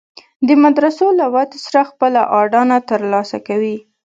د مدرسو له ودې سره خپله اډانه تر لاسه کوي.